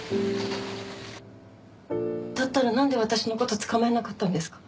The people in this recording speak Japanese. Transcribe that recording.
だったらなんで私の事捕まえなかったんですか？